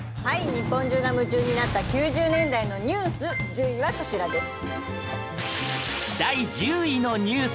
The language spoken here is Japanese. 日本中が夢中になった９０年代のニュース１０位はこちらです。